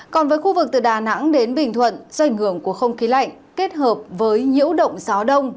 còn với khu vực từ đà nẵng đến bình thuận do ảnh hưởng của không khí lạnh kết hợp với nhiễu động gió đông